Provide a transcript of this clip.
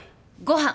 ご飯。